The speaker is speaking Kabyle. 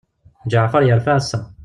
Ǧeɛfer yerfa ass-a.